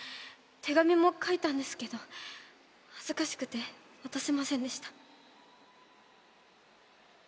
手紙も書いたんですけど恥ずかしくて渡せませんでした。